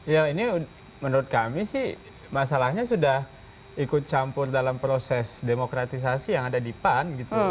ya ini menurut kami sih masalahnya sudah ikut campur dalam proses demokratisasi yang ada di pan gitu